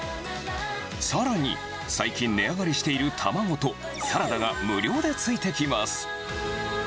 さらに、最近値上がりしている卵とサラダが無料でついてきます。